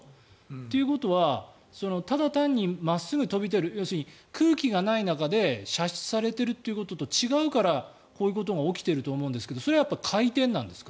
ということはただ単に真っすぐ飛んでいる空気がない中で射出されているということと違うからこういうことが起きてると思うんですけどそれはやっぱり回転なんですか？